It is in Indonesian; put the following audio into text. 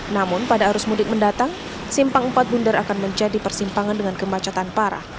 namun pada arus mudik mendatang simpang empat bundar akan menjadi persimpangan dengan kemacetan parah